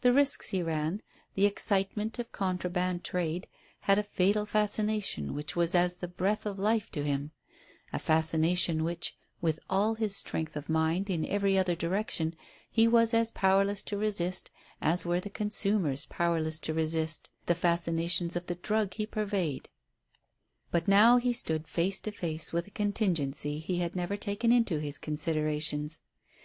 The risks he ran, the excitement of contraband trade had a fatal fascination which was as the breath of life to him; a fascination which, with all his strength of mind in every other direction, he was as powerless to resist as were the consumers powerless to resist the fascinations of the drug he purveyed. But now he stood face to face with a contingency he had never taken into his considerations.